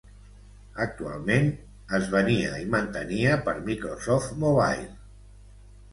Actualment, es venia i mantenia per Microsoft Mobile.